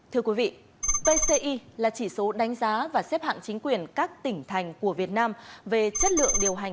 thưa quý vị pci là chỉ số đánh giá và xếp hạng chính quyền các tỉnh thành của việt nam về chất lượng điều hành